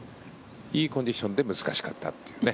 いいコンディションで難しかったっていうね。